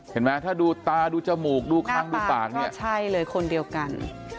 เห็นไหมถ้าดูตาดูจมูกดูคางดูปากเนี่ยใช่เลยคนเดียวกัน